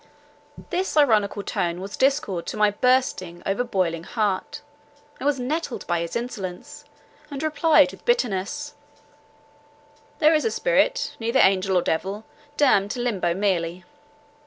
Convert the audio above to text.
This ironical tone was discord to my bursting, over boiling heart; I was nettled by his insolence, and replied with bitterness; "There is a spirit, neither angel or devil, damned to limbo merely."